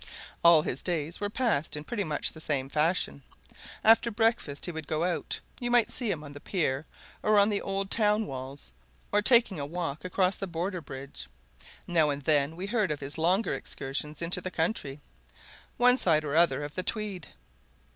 All his days were passed in pretty much the same fashion. After breakfast he would go out you might see him on the pier, or on the old town walls, or taking a walk across the Border Bridge; now and then we heard of his longer excursions into the country, one side or other of the Tweed.